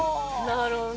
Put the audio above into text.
なるほどね。